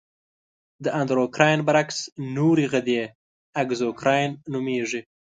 د اندورکراین برعکس نورې غدې اګزوکراین نومیږي.